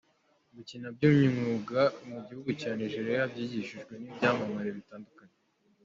gukina by'umwuga mu gihugu cya Nigeriya abyigishijwe nibyamamare bitandukanye.